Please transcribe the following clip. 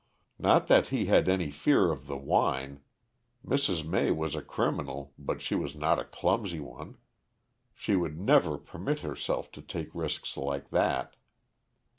Not that he had any fear of the wine. Mrs. May was a criminal, but she was not a clumsy one. She would never permit herself to take risks like that.